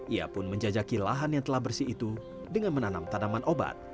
ia pun menjajaki lahan yang telah bersih itu dengan menanam tanaman obat